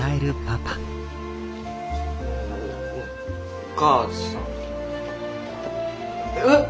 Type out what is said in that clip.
お母さんえっ？